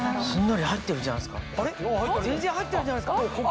全然入ってるじゃないですか。